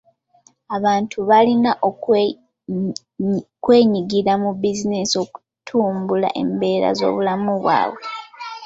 Abantu balina okwenyigira mu bizinensi okutumbula embeera z'obulamu bwabwe.